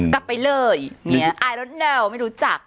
กลับไปเลยไม่รู้จัก